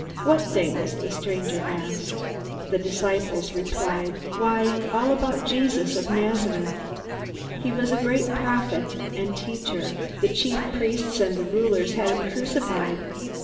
"What things?" the stranger asked. The disciples replied: "Why, all about Jesus of Nazareth. He was a great prophet and teacher. The chief priests and the rulers had him crucified.